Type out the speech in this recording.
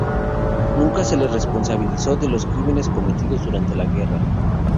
Nunca se le responsabilizó de los crímenes cometidos durante la guerra.